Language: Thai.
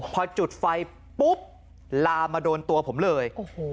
พอจุดไฟปุ๊บลามมาโดนตัวผมเลย